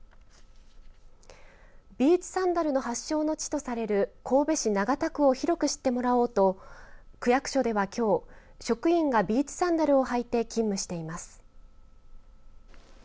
ビーチサンダルの発祥の地とされる神戸市長田区を広く知ってもらおうと区役所では、きょう職員がビーチサンダルを履いて勤務しています。